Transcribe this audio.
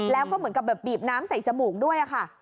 แล้วก็เหมือนกับแบบบีบน้ำใส่จมูกด้วยค่ะ